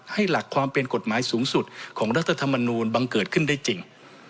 หลักความเป็นกฎหมายสูงสุดของรัฐธรรมนูลบังเกิดขึ้นได้จริง